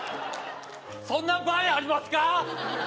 そんな場合ありますか？